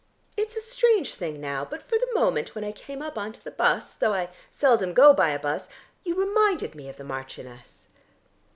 It's a strange thing now, but for the moment when I came up on to the bus though I seldom go by a bus you reminded me of the Marchioness."